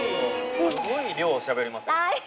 ◆すごい量しゃべりますね。